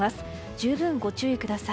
十分ご注意ください。